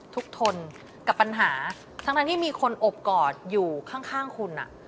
ทนกับปัญหาทั้งที่มีคนอบกอดอยู่ข้างคุณ